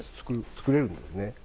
作れるんですね。